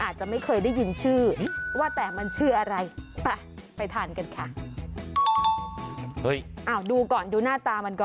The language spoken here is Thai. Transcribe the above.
จริงเตามันต้อง